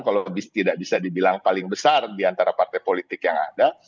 kalau tidak bisa dibilang paling besar diantara partai politik yang ada